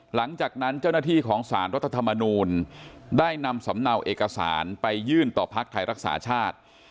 หลังจากนั้นเจ้าหน้าที่ของสารรัฐธรรมนูลได้นำสำเนาเอกสารไปยื่นต่อภักดิ์ไทยรักษาชาติ